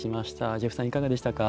ジェフさんいかがでしたか？